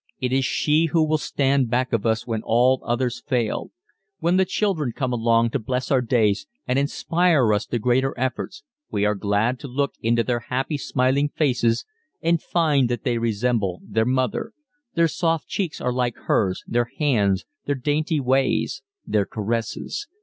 It is she who will stand back of us when all others fail. When the children come along to bless our days and inspire us to greater efforts we are glad to look into their happy, smiling faces and find that they resemble their mother their soft cheeks are like hers, their hands, their dainty ways, their caresses.